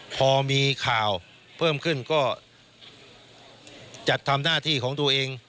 พอมีข่าวเพิ่มขึ้นก็จัดทำหน้าที่ของตัวเอง